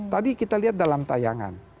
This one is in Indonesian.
tadi kita lihat dalam tayangan